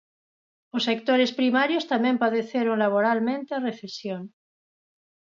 Os sectores primarios tamén padeceron laboralmente a recesión.